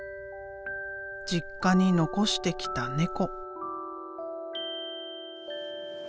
実家に残してきた猫。